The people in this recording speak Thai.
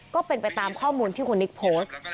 ก็เป็นไปตามข้อมูลที่คุณนิกโพสต์